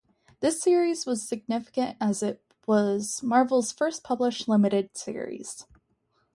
This series was significant as it was Marvel's first published limited series.